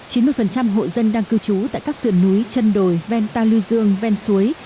chín mươi hộ dân đang cư trú tại các sườn núi chân đồi ven ta lưu dương ven suối